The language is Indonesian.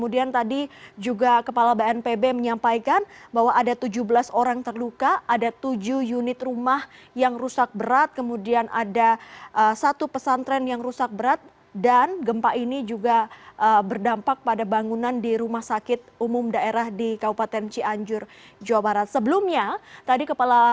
nanti kami kontak kontak dengan pak abdul muhari